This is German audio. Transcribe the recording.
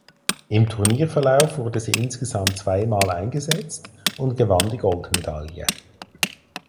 Im Turnierverlauf wurde sie insgesamt zwei Mal eingesetzt und gewann die Goldmedaille.